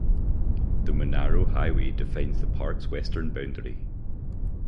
The Monaro Highway defines the park's western boundary.